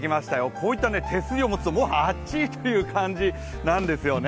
こういった手すりを持つと、もう熱い！という感じなんですよね。